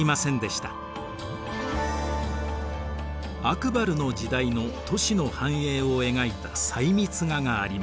アクバルの時代の都市の繁栄を描いた細密画があります。